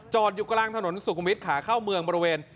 อยู่กลางถนนสุขุมวิทย์ขาเข้าเมืองบริเวณ